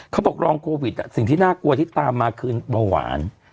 เขาบอกรองโควิดสิ่งที่น่ากลัวที่ตามมาคือเบาหวาน